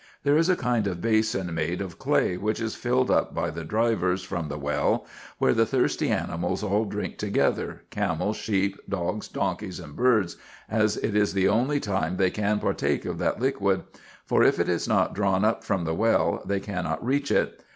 There is a kind of basin made of clay which is filled up by the drivers, from the well, where the thirsty animals all drink together, camels, sheep, dogs, donkeys, and birds, as it is the only time they can partake of that liquid ; for if it is not drawn up from the well, they cannot reach it.